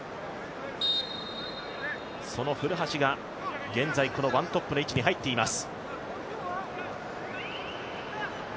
その古橋が現在、ワントップの位置に入っています。